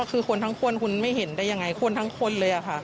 คือคนทั้งคนคุณไม่เห็นได้ยังไงคนทั้งคนเลยค่ะ